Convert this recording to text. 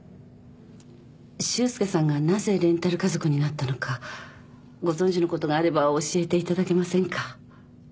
修介さんがなぜレンタル家族になったのかご存じのことがあれば教えていただけませんか？